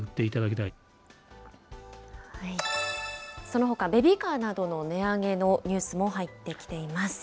そのほかベビーカーなどの値上げのニュースも入ってきています。